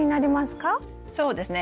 そうですね